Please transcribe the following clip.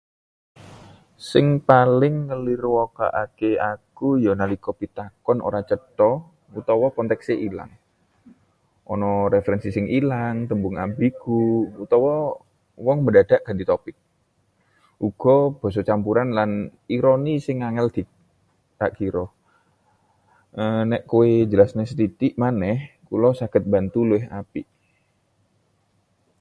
Sing paling ngelirwakake aku ya nalika pitakon ora cetha utawa konteksé kurang — ana referensi sing ilang, tembung ambigu, utawa wong mendadak ganti topik. Uga basa campuran lan ironi sing angel dakkira. E Nek kowe iso njelasano sethithik maneh, kula saget mbantu luwih apik.